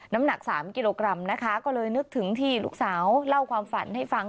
น้ำหนักสามกิโลกรัมนะคะก็เลยนึกถึงที่ลูกสาวเล่าความฝันให้ฟัง